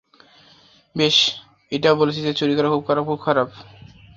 বেশ, এটাও বলেছিল যে চুরি করা খুব, খুব খারাপ।